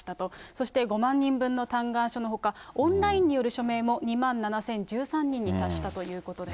そして５万人分の嘆願書のほか、オンラインによる署名も、２万７０１３人に達したということです。